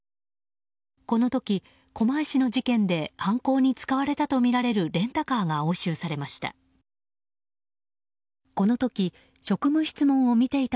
この時、狛江市の事件で犯行に使われたとみられるレンタカーが押収されました。